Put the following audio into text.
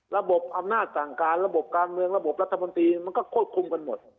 ระบบอำนาจสั่งการระบบการเมืองระบบรัฐมนตรีมันก็ควบคุมกันหมด